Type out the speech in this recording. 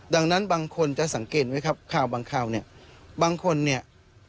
ดังนั้นบางคนจะสังเกตไหมครับข่าวบางข่าวเนี่ยบางคนเนี่ย